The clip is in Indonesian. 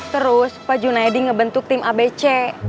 terus pak junaidi ngebentuk tim abc